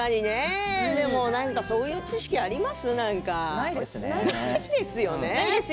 でもそういう知識がありませんか。